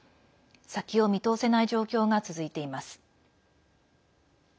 先を見通せない状況が続いています。